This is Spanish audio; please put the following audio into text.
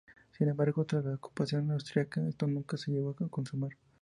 Sin embargo, tras la ocupación austriaca, esto nunca se llegó a consumar.